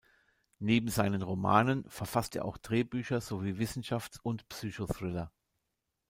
Neben seinen Romanen verfasst er auch Drehbücher sowie Wissenschafts- und Psychothriller.